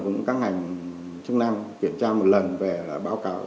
cũng các ngành chức năng kiểm tra một lần về báo cáo